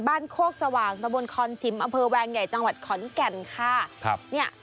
บ้านโฆษะสว่างตรวนคอนชิมอแวงไยจังหวัดขอนกรันคา